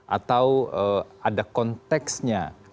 atau ada konteksnya